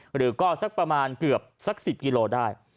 หรือก็สักประมาณเกือบสัก๑๐กิโลได้